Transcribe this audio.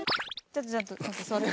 ちょっとちょっと座って。